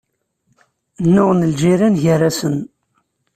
Nnuɣen lǧiran gar-asen.